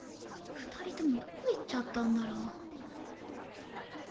２人ともどこ行っちゃったんだろう？